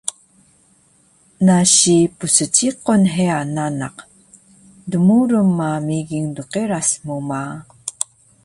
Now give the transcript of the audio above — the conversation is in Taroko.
nasi psbiciq heya nanak, dmurun ma migin dqeras mu ma